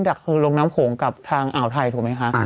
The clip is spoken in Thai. หลักคือลงน้ำโขงกับทางอ่าวไทยถูกไหมคะ